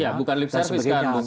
ya bukan lip service kan